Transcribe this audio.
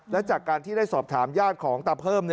และจากการที่ได้สอบถามญาติของตาเพิ่ม